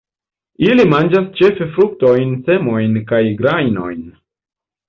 Ili manĝas ĉefe fruktojn, semojn kaj grajnojn.